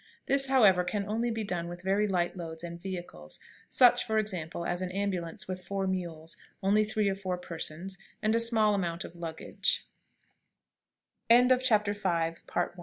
This, however, can only be done with very light loads and vehicles, such, for example, as an ambulance with four mules, only three or four persons, and a small amount